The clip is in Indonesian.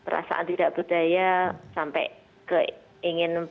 rasa tidak berdaya sampai ke ingin